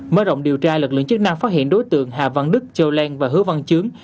mới rộng điều tra lực lượng chức năng phát hiện đối tượng hà văn đức châu lan và hứa văn trướng